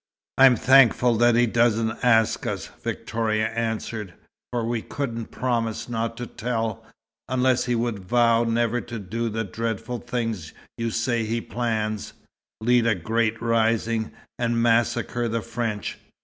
"I'm thankful that he doesn't ask us," Victoria answered, "for we couldn't promise not to tell, unless he would vow never to do the dreadful things you say he plans lead a great rising, and massacre the French.